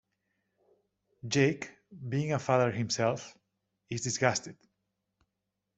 Jake, being a father himself, is disgusted.